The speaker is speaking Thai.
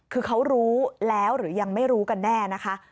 คือเขารู้แล้วหรือยังไม่รู้กันแน่นะคะ